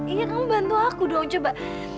iya kamu bantu aku dong coba